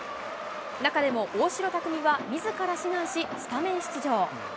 中でも大城卓三はみずから志願し、スタメン出場。